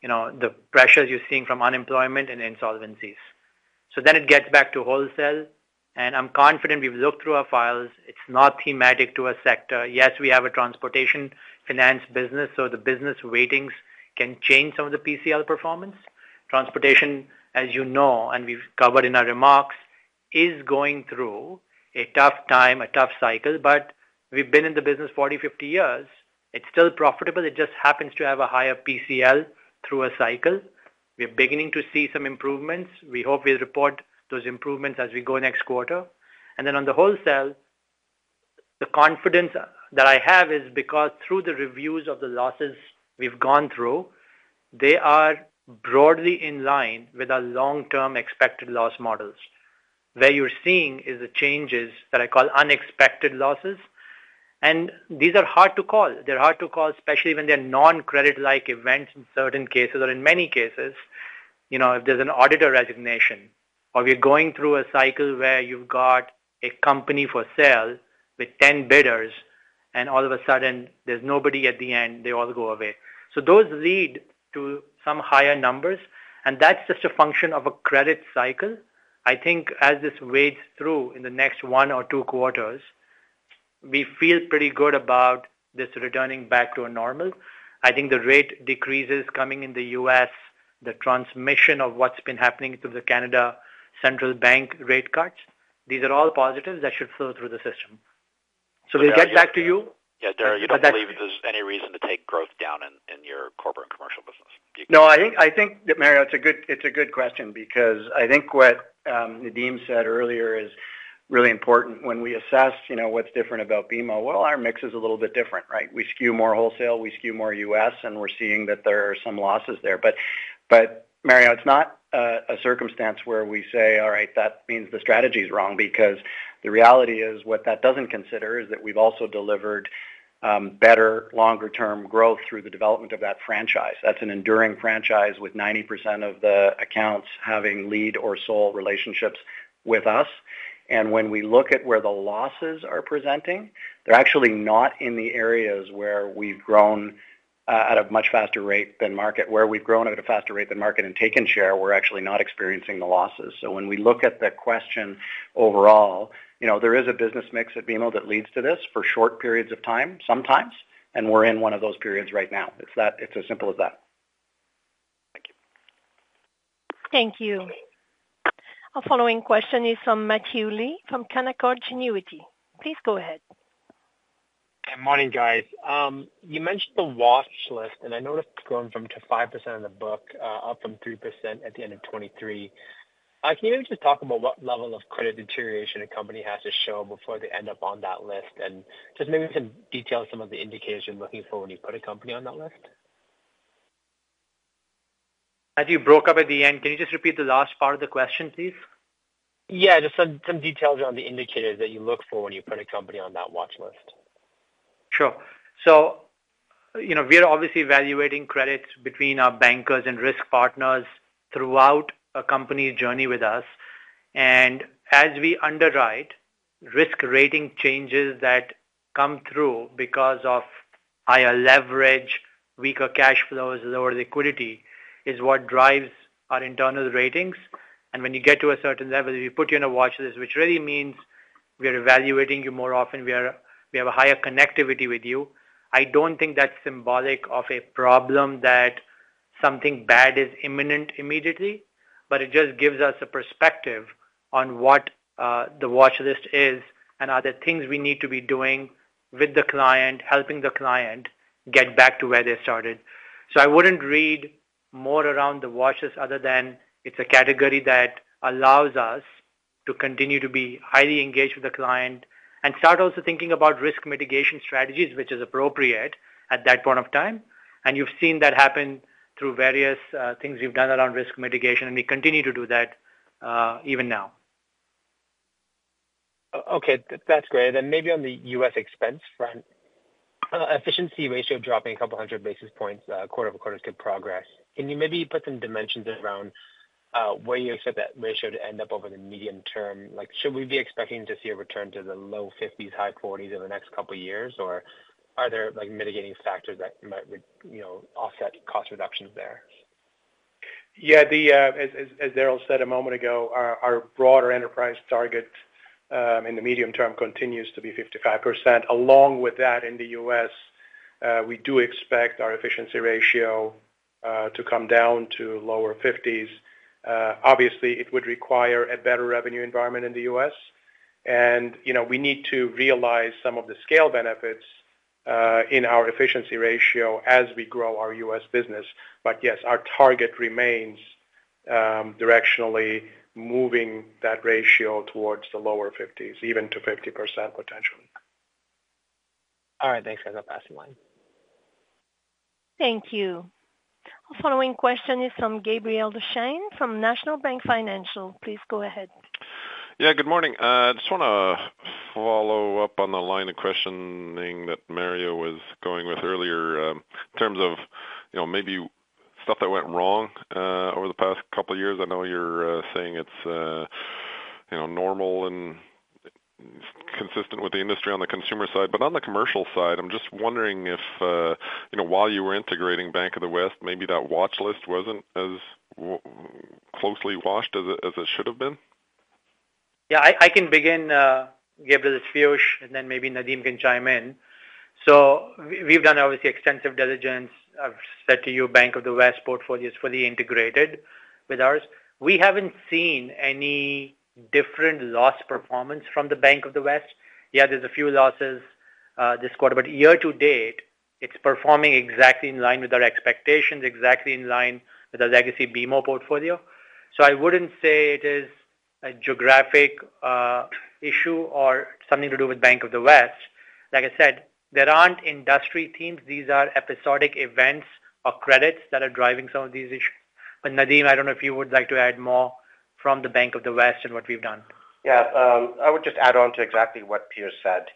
you know, the pressures you're seeing from unemployment and insolvencies. So then it gets back to wholesale, and I'm confident we've looked through our files. It's not thematic to a sector. Yes, we have a transportation finance business, so the business weightings can change some of the PCL performance. Transportation, as you know, and we've covered in our remarks, is going through a tough time, a tough cycle, but we've been in the business 40, 50 years. It's still profitable. It just happens to have a higher PCL through a cycle. We're beginning to see some improvements. We hope we'll report those improvements as we go next quarter. And then on the wholesale, the confidence that I have is because through the reviews of the losses we've gone through, they are broadly in line with our long-term expected loss models. Where you're seeing is the changes that I call unexpected losses, and these are hard to call. They're hard to call, especially when they're non-credit-like events in certain cases or in many cases, you know, if there's an auditor resignation or we're going through a cycle where you've got a company for sale with 10 bidders, and all of a sudden there's nobody at the end, they all go away. So those lead to some higher numbers, and that's just a function of a credit cycle. I think as this wades through in the next one or two quarters, we feel pretty good about this returning back to a normal. I think the rate decreases coming in the U.S., the transmission of what's been happening to the Bank of Canada rate cuts, these are all positives that should flow through the system. So we get back to you- Yeah, Darryl, you don't believe there's any reason to take growth down in, in your corporate and commercial business? No, I think, Mario, it's a good question because I think what Nadim said earlier is really important. When we assess, you know, what's different about BMO, well, our mix is a little bit different, right? We skew more wholesale, we skew more US, and we're seeing that there are some losses there. But, Mario, it's not a circumstance where we say, "All right, that means the strategy is wrong," because the reality is, what that doesn't consider is that we've also delivered better longer-term growth through the development of that franchise. That's an enduring franchise with 90% of the accounts having lead or sole relationships with us. And when we look at where the losses are presenting, they're actually not in the areas where we've grown at a much faster rate than market. Where we've grown at a faster rate than market and taken share, we're actually not experiencing the losses. So when we look at the question overall, you know, there is a business mix at BMO that leads to this for short periods of time, sometimes, and we're in one of those periods right now. It's that. It's as simple as that. Thank you. Thank you. Our following question is from Matthew Lee from Canaccord Genuity. Please go ahead. Good morning, guys. You mentioned the watch list, and I noticed it's grown to 5% of the book, up from 3% at the end of 2023. Can you just talk about what level of credit deterioration a company has to show before they end up on that list? And just maybe you can detail some of the indicators you're looking for when you put a company on that list. Matthew, you broke up at the end. Can you just repeat the last part of the question, please? Yeah, just some details on the indicators that you look for when you put a company on that watch list.... Sure. So, you know, we are obviously evaluating credits between our bankers and risk partners throughout a company's journey with us. And as we underwrite, risk rating changes that come through because of higher leverage, weaker cash flows, lower liquidity is what drives our internal ratings. And when you get to a certain level, we put you on a watch list, which really means we are evaluating you more often. We have a higher connectivity with you. I don't think that's symbolic of a problem that something bad is imminent immediately, but it just gives us a perspective on what the watch list is and are there things we need to be doing with the client, helping the client get back to where they started? So I wouldn't read more around the watches other than it's a category that allows us to continue to be highly engaged with the client and start also thinking about risk mitigation strategies, which is appropriate at that point of time. And you've seen that happen through various things we've done around risk mitigation, and we continue to do that even now. Okay, that's great. Then maybe on the U.S. expense front, efficiency ratio dropping a couple hundred basis points, quarter-over-quarter is good progress. Can you maybe put some dimensions around, where you expect that ratio to end up over the medium term? Like, should we be expecting to see a return to the low fifties, high forties in the next couple of years, or are there, like, mitigating factors that might would, you know, offset cost reductions there? Yeah, as Darryl said a moment ago, our broader enterprise target in the medium term continues to be 55%. Along with that, in the U.S., we do expect our efficiency ratio to come down to lower 50s%. Obviously, it would require a better revenue environment in the U.S., and, you know, we need to realize some of the scale benefits in our efficiency ratio as we grow our U.S. business. But yes, our target remains directionally moving that ratio towards the lower 50s%, even to 50% potentially. All right. Thanks, guys. I'll pass the line. Thank you. Our following question is from Gabriel Dechaine, from National Bank Financial. Please go ahead. Yeah, good morning. I just want to follow up on the line of questioning that Mario was going with earlier, in terms of, you know, maybe stuff that went wrong over the past couple of years. I know you're saying it's, you know, normal and consistent with the industry on the consumer side. But on the commercial side, I'm just wondering if, you know, while you were integrating Bank of the West, maybe that watchlist wasn't as closely watched as it should have been? Yeah, I can begin, Gabriel. It's Piyush, and then maybe Nadim can chime in. So we've done obviously extensive diligence. I've said to you, Bank of the West portfolio is fully integrated with ours. We haven't seen any different loss performance from the Bank of the West. Yeah, there's a few losses this quarter, but year-to-date, it's performing exactly in line with our expectations, exactly in line with the legacy BMO portfolio. So I wouldn't say it is a geographic issue or something to do with Bank of the West. Like I said, there aren't industry teams. These are episodic events or credits that are driving some of these issues. But, Nadim, I don't know if you would like to add more from the Bank of the West and what we've done. Yeah. I would just add on to exactly what Piyush said.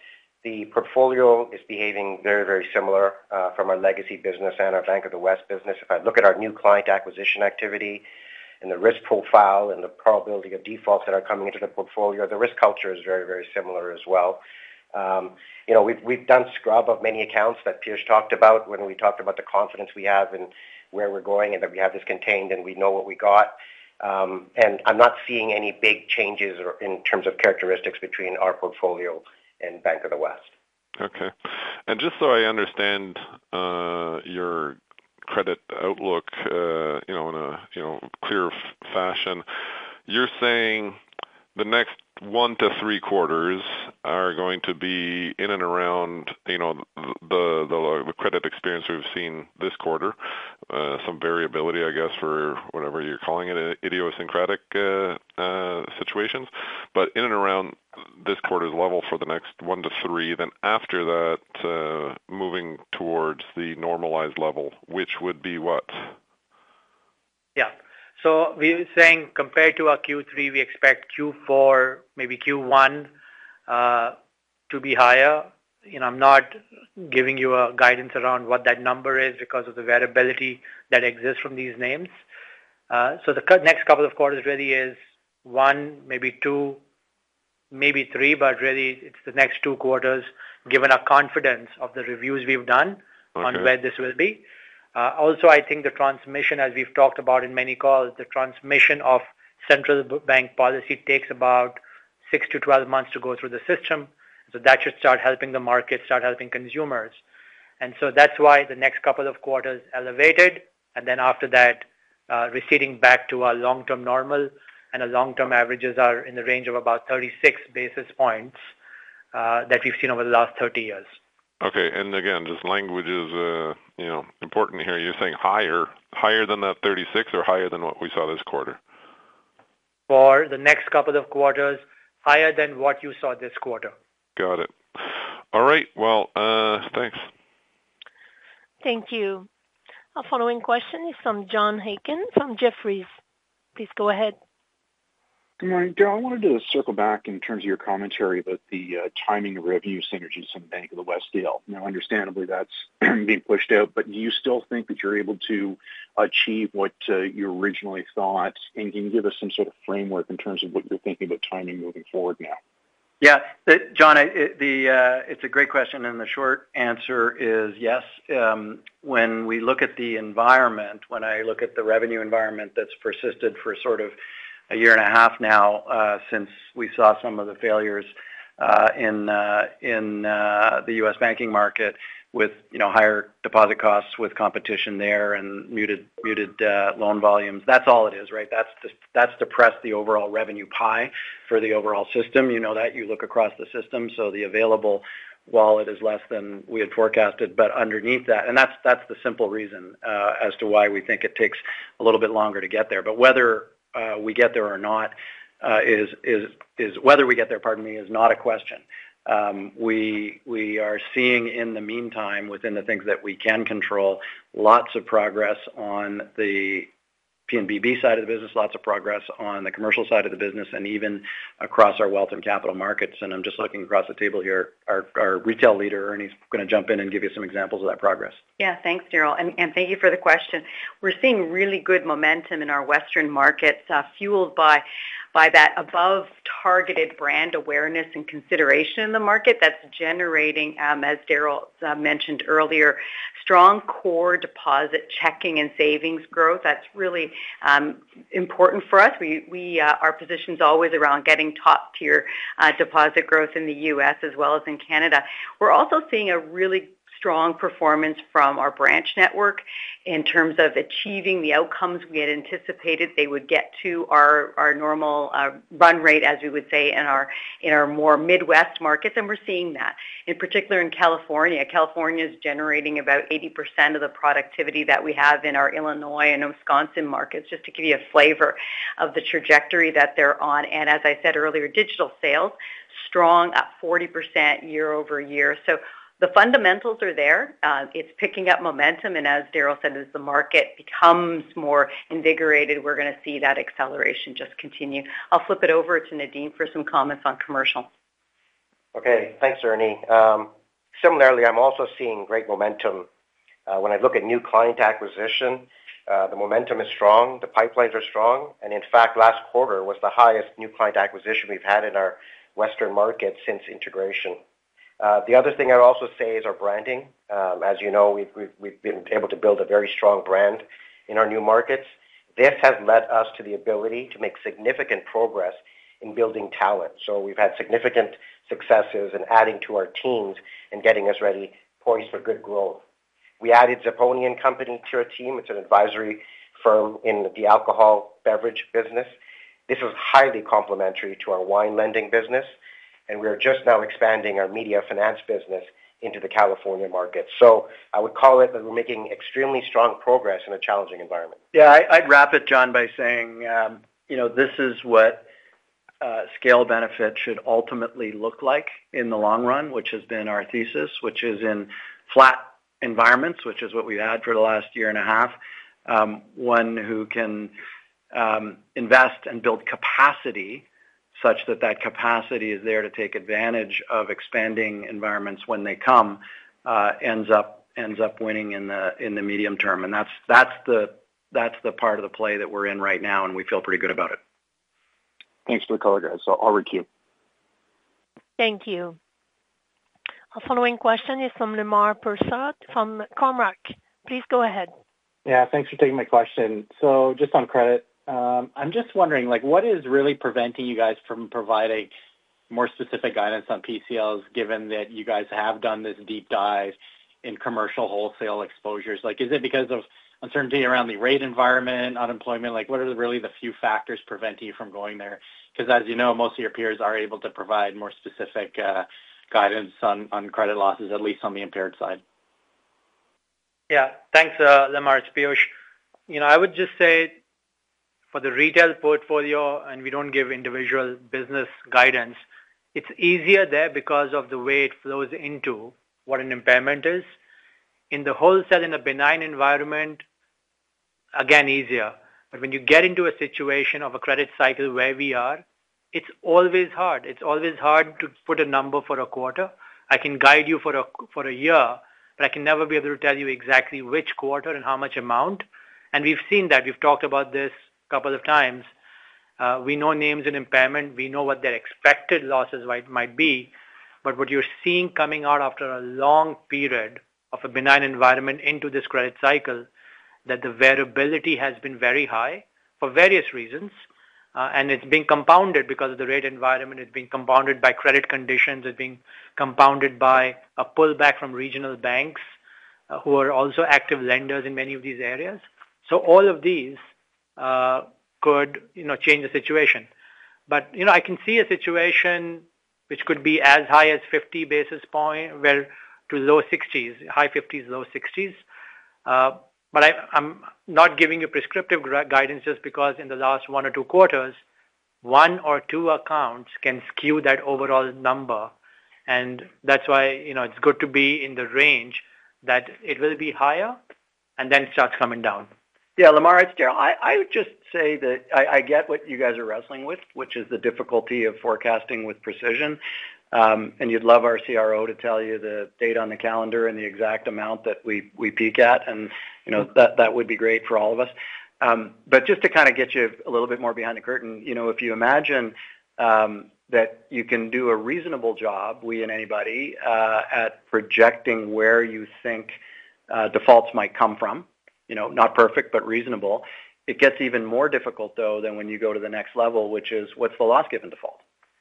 The portfolio is behaving very, very similar from our legacy business and our Bank of the West business. If I look at our new client acquisition activity and the risk profile and the probability of defaults that are coming into the portfolio, the risk culture is very, very similar as well. You know, we've done scrub of many accounts that Piyush talked about when we talked about the confidence we have and where we're going, and that we have this contained, and we know what we got. And I'm not seeing any big changes or in terms of characteristics between our portfolio and Bank of the West. Okay. And just so I understand, your credit outlook, you know, in a, you know, clear fashion, you're saying the next one to three quarters are going to be in and around, you know, the credit experience we've seen this quarter, some variability, I guess, for whatever you're calling it, idiosyncratic situations, but in and around this quarter's level for the next one to three, then after that, moving towards the normalized level, which would be what? Yeah. So we were saying compared to our Q3, we expect Q4, maybe Q1, to be higher. You know, I'm not giving you a guidance around what that number is because of the variability that exists from these names. So the next couple of quarters really is one, maybe two, maybe three, but really it's the next two quarters, given our confidence of the reviews we've done- Okay. - on where this will be. Also, I think the transmission, as we've talked about in many calls, the transmission of central bank policy takes about six to 12 months to go through the system. So that should start helping the market, start helping consumers. And so that's why the next couple of quarters elevated, and then after that, receding back to our long-term normal and our long-term averages are in the range of about 36 basis points, that we've seen over the last 30 years. Okay. And again, just language is, you know, important here. You're saying higher, higher than that 36 or higher than what we saw this quarter? For the next couple of quarters, higher than what you saw this quarter. Got it. All right. Well, thanks.... Thank you. Our following question is from John Aiken from Jefferies. Please go ahead. Good morning, Darryl. I wanted to circle back in terms of your commentary about the timing of revenue synergies from Bank of the West deal. Now, understandably, that's being pushed out, but do you still think that you're able to achieve what you originally thought? And can you give us some sort of framework in terms of what you're thinking about timing moving forward now? Yeah, John, it's a great question, and the short answer is yes. When we look at the environment, when I look at the revenue environment that's persisted for sort of a year and a half now, since we saw some of the failures in the U.S. banking market with, you know, higher deposit costs, with competition there and muted loan volumes, that's all it is, right? That's just depressed the overall revenue pie for the overall system. You know that. You look across the system, so the available wallet is less than we had forecasted. But underneath that. And that's the simple reason as to why we think it takes a little bit longer to get there. But whether we get there or not is whether we get there, pardon me, is not a question. We are seeing, in the meantime, within the things that we can control, lots of progress on the P&BB side of the business, lots of progress on the commercial side of the business, and even across our wealth and capital markets. And I'm just looking across the table here, our retail leader, Ernie, is going to jump in and give you some examples of that progress. Yeah. Thanks, Darryl, and thank you for the question. We're seeing really good momentum in our Western markets, fueled by that above targeted brand awareness and consideration in the market. That's generating, as Darryl mentioned earlier, strong core deposit checking and savings growth. That's really important for us. We our position is always around getting top-tier deposit growth in the US as well as in Canada. We're also seeing a really strong performance from our branch network in terms of achieving the outcomes we had anticipated. They would get to our normal run rate, as we would say, in our more Midwest markets, and we're seeing that. In particular in California. California is generating about 80% of the productivity that we have in our Illinois and Wisconsin markets, just to give you a flavor of the trajectory that they're on, and as I said earlier, digital sales, strong, up 40% year-over-year, so the fundamentals are there. It's picking up momentum, and as Darryl said, as the market becomes more invigorated, we're going to see that acceleration just continue. I'll flip it over to Nadim for some comments on commercial. Okay, thanks, Ernie. Similarly, I'm also seeing great momentum. When I look at new client acquisition, the momentum is strong, the pipelines are strong, and in fact, last quarter was the highest new client acquisition we've had in our Western market since integration. The other thing I'd also say is our branding. As you know, we've been able to build a very strong brand in our new markets. This has led us to the ability to make significant progress in building talent. So we've had significant successes in adding to our teams and getting us ready, poised for good growth. We added Zepponi & Company to our team. It's an advisory firm in the alcohol beverage business. This is highly complementary to our wine lending business, and we are just now expanding our media finance business into the California market. I would call it that we're making extremely strong progress in a challenging environment. Yeah, I'd wrap it, John, by saying, you know, this is what scale benefit should ultimately look like in the long run, which has been our thesis, which is in flat environments, which is what we've had for the last year and a half. One who can invest and build capacity such that that capacity is there to take advantage of expanding environments when they come ends up winning in the medium term. And that's the part of the play that we're in right now, and we feel pretty good about it. Thanks for the color, guys. So I'll queue. Thank you. Our following question is from Lemar Persaud, from Cormark. Please go ahead. Yeah, thanks for taking my question. So just on credit, I'm just wondering, like, what is really preventing you guys from providing more specific guidance on PCLs, given that you guys have done this deep dive in commercial wholesale exposures? Like, is it because of uncertainty around the rate environment, unemployment? Like, what are really the few factors preventing you from going there? Because, as you know, most of your peers are able to provide more specific guidance on credit losses, at least on the impaired side. Yeah. Thanks, Lemar, it's Piyush. You know, I would just say for the retail portfolio, and we don't give individual business guidance, it's easier there because of the way it flows into what an impairment is. In the wholesale, in a benign environment, again, easier. But when you get into a situation of a credit cycle where we are, it's always hard. It's always hard to put a number for a quarter. I can guide you for a year, but I can never be able to tell you exactly which quarter and how much amount. And we've seen that. We've talked about this a couple of times. We know names and impairment. We know what their expected losses might be. But what you're seeing coming out after a long period of a benign environment into this credit cycle, that the variability has been very high for various reasons, and it's been compounded because of the rate environment. It's been compounded by credit conditions. It's being compounded by a pullback from regional banks, who are also active lenders in many of these areas. So all of these could, you know, change the situation. But, you know, I can see a situation which could be as high as 50 basis point, well, to low 60s, high 50s, low 60s. But I'm not giving you prescriptive guidance just because in the last one or two quarters-...one or two accounts can skew that overall number, and that's why, you know, it's good to be in the range, that it will be higher and then starts coming down. Yeah, Lemar, it's Darryl. I would just say that I get what you guys are wrestling with, which is the difficulty of forecasting with precision, and you'd love our CRO to tell you the date on the calendar and the exact amount that we peak at, and you know that would be great for all of us, but just to kind of get you a little bit more behind the curtain, you know, if you imagine that you can do a reasonable job, we and anybody at projecting where you think defaults might come from, you know, not perfect, but reasonable. It gets even more difficult, though, than when you go to the next level, which is: what's the loss given default?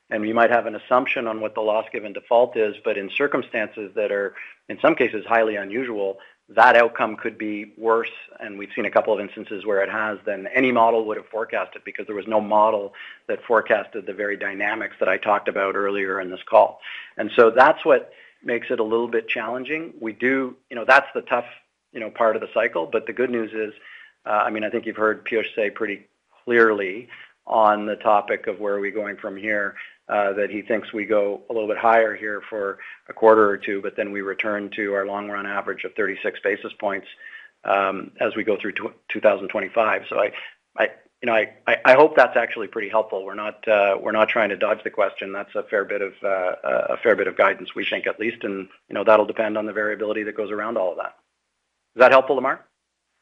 And you might have an assumption on what the loss given default is, but in circumstances that are, in some cases, highly unusual, that outcome could be worse, and we've seen a couple of instances where it has, than any model would have forecasted, because there was no model that forecasted the very dynamics that I talked about earlier in this call. And so that's what makes it a little bit challenging. We do. You know, that's the tough, you know, part of the cycle, but the good news is, I mean, I think you've heard Piyush say pretty clearly on the topic of where are we going from here, that he thinks we go a little bit higher here for a quarter or two, but then we return to our long-run average of 36 basis points, as we go through 2025. So, you know, I hope that's actually pretty helpful. We're not trying to dodge the question. That's a fair bit of guidance, we think, at least, and, you know, that'll depend on the variability that goes around all of that. Is that helpful, Lemar?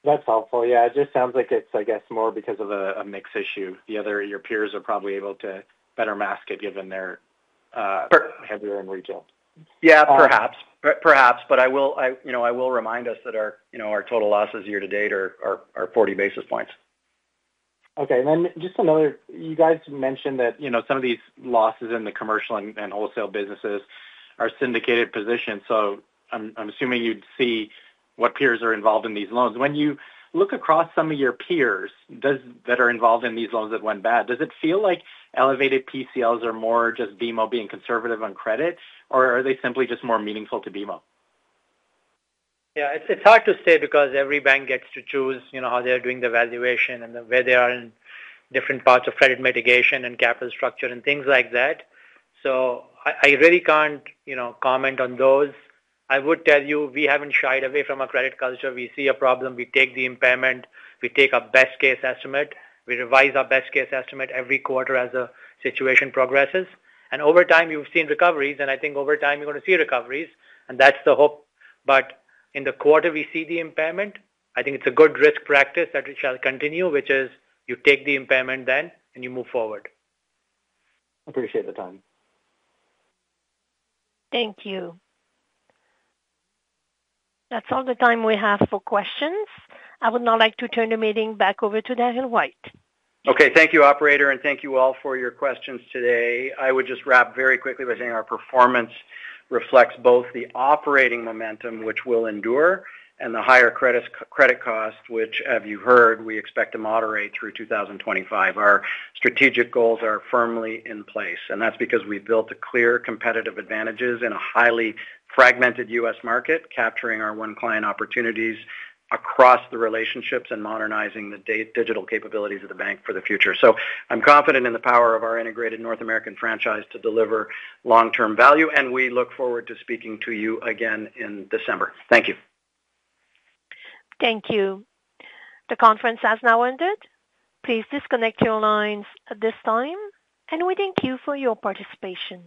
That's helpful. Yeah. It just sounds like it's, I guess, more because of a mix issue. The other, your peers are probably able to better mask it, given their, Per- -heavier in retail. Yeah, perhaps. Perhaps, but I will. You know, I will remind us that our, you know, our total losses year-to-date are forty basis points. Okay. And then just another, you guys mentioned that, you know, some of these losses in the commercial and wholesale businesses are syndicated positions, so I'm assuming you'd see what peers are involved in these loans. When you look across some of your peers, does that are involved in these loans that went bad, does it feel like elevated PCLs are more just BMO being conservative on credit, or are they simply just more meaningful to BMO? Yeah, it's hard to say because every bank gets to choose, you know, how they're doing the valuation and where they are in different parts of credit mitigation and capital structure and things like that. So I really can't, you know, comment on those. I would tell you, we haven't shied away from our credit culture. We see a problem, we take the impairment, we take our best case estimate. We revise our best case estimate every quarter as the situation progresses, and over time, you've seen recoveries, and I think over time, you're going to see recoveries, and that's the hope, but in the quarter, we see the impairment. I think it's a good risk practice that we shall continue, which is you take the impairment then, and you move forward. Appreciate the time. Thank you. That's all the time we have for questions. I would now like to turn the meeting back over to Darryl White. Okay, thank you, operator, and thank you all for your questions today. I would just wrap very quickly by saying our performance reflects both the operating momentum, which will endure, and the higher credit cost, which, as you heard, we expect to moderate through 2025. Our strategic goals are firmly in place, and that's because we've built a clear competitive advantages in a highly fragmented U.S. market, capturing our One Client opportunities across the relationships and modernizing the digital capabilities of the bank for the future. I'm confident in the power of our integrated North American franchise to deliver long-term value, and we look forward to speaking to you again in December. Thank you. Thank you. The conference has now ended. Please disconnect your lines at this time, and we thank you for your participation.